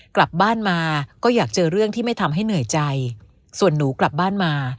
กลับบ้านมาก็อยากเจอเรื่องที่ไม่ทำให้เหนื่อยใจส่วนหนูกลับบ้านมา